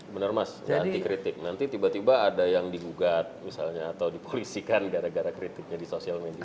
benar mas nanti kritik nanti tiba tiba ada yang digugat misalnya atau dipolisikan gara gara kritiknya di sosial media